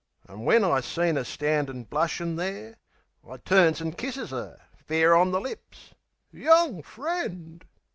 An' when I seen 'er standin' blushin' there, I turns an' kisses 'er, fair on the lips. "Young friend!"